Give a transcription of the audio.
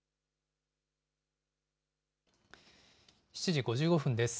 ７時５５分です。